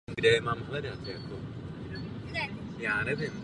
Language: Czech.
Následující rok byl nahrazen mladším brankáři.